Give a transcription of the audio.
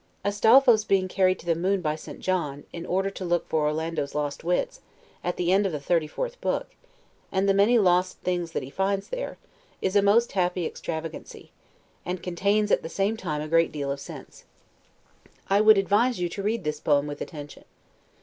Astolpho's being carried to the moon by St. John, in order to look for Orlando's lost wits, at the end of the 34th book, and the many lost things that he finds there, is a most happy extravagancy, and contains, at the same time, a great deal of sense. I would advise you to read this poem with attention.